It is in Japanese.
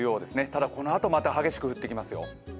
ただ、このあとまた激しく降ってきますよ。